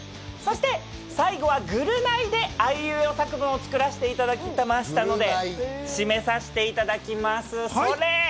そして最後は『ぐるナイ』であいうえお作文を作らせていただきましたので、しめさせていただきます。